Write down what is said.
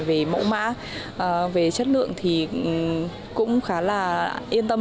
về mẫu mã về chất lượng thì cũng khá là yên tâm